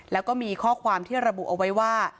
แล้วก็มีข้อความที่ระบุเอาไว้ว่า